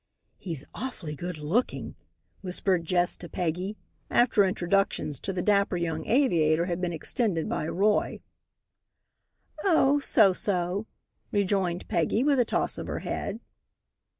"He's awfully good looking," whispered Jess to Peggy, after introductions to the dapper young aviator had been extended by Roy. "Oh, so so," rejoined Peggy, with a toss of her head.